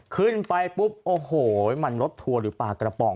ขึ้นไปปุ๊บโอ้โหมันรถทัวร์หรือปลากระป๋อง